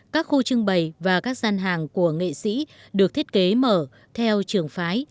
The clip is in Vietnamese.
các khu trưng bày và các gian hàng của nghệ sĩ được thiết kế mở theo trường phái